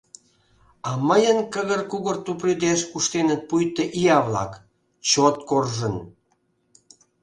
А мыйын кыгыр-кугыр тупрӱдеш куштеныт пуйто ия-влак — чот коржын.